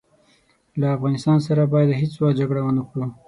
له افغانستان سره باید هیڅ وخت جګړه ونه کړو.